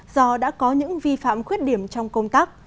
do đã có những vi phạm khuyết điểm trong công tác